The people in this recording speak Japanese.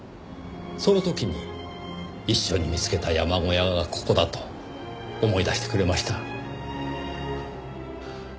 その時に一緒に見つけた山小屋がここだと思い出してくれました。